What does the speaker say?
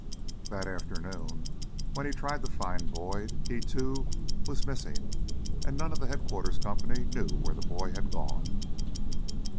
That afternoon when he tried to find Boyd, he, too, was missing and none of the headquarters company knew where the boy had gone.